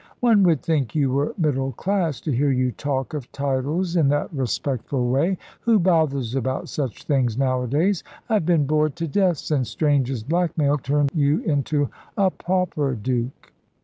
"One would think you were middle class to hear you talk of titles in that respectful way. Who bothers about such things nowadays? I have been bored to death since Strange's blackmail turned you into a pauper Duke."